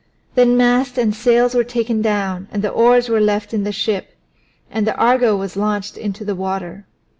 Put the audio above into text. Then mast and sails were taken down and the oars were left in the ship, and the Argo was launched into the water.